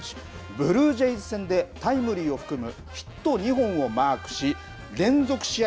ブルージェイズ戦でタイムリーを含むヒット２本をマークし、連続試合